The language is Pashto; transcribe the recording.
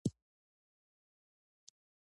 دغه لوی شرکتونه عامه هوساینې لپاره خطرناک دي.